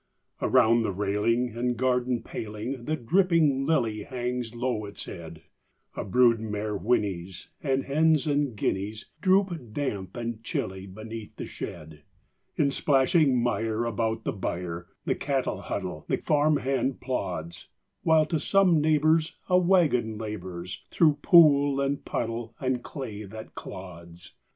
Around the railing and garden paling The dripping lily hangs low its head: A brood mare whinnies; and hens and guineas Droop, damp and chilly, beneath the shed. In splashing mire about the byre The cattle huddle, the farm hand plods; While to some neighbor's a wagon labors Through pool and puddle and clay that clods.